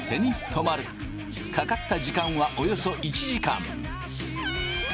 かかった時間はおよそ１時間。